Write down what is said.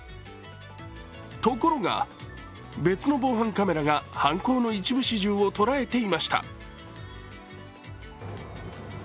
ところが、別の防犯カメラが犯行の一部始終を捉えていました。